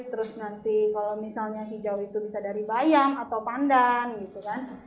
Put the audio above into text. terus nanti kalau misalnya hijau itu bisa dari bayam atau pandan gitu kan